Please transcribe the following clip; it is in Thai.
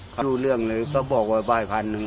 เขารู้เรื่องเลยก็บอกว่าบ้านพันหนึ่ง